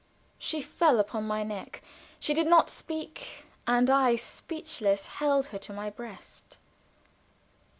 She fell upon my neck. She did not speak, and I, speechless, held her to my breast.